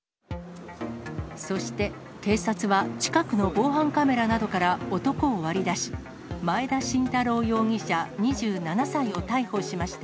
そして警察は、近くの防犯カメラなどから、男を割り出し、前田真太郎容疑者２７歳を逮捕しました。